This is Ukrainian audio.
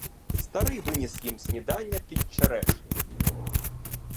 Старий виніс їм снідання під черешню.